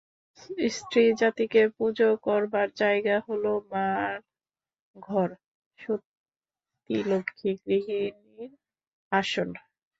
স্ত্রীজাতিকে পুজো করবার জায়গা হল মার ঘর, সতীলক্ষ্ণী গৃহিণীর আসন।